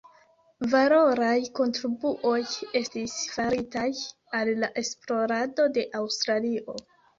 Valoraj kontribuoj estis faritaj al la esplorado de Aŭstralio.